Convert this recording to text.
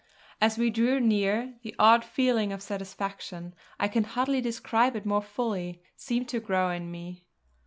As we drew near, the odd feeling of satisfaction I can hardly describe it more fully seemed to grow in me.